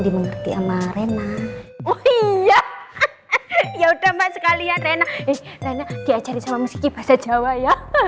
dimengerti ama reyna oh iya ya udah sekali ya reyna reyna diajarin sama meski bahasa jawa ya